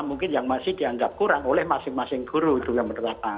mungkin yang masih dianggap kurang oleh masing masing guru itu yang berdatang